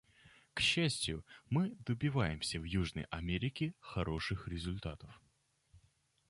К счастью, мы добиваемся в Южной Америке хороших результатов.